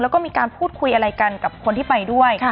แล้วก็มีการพูดคุยอะไรกันกับคนที่ไปด้วย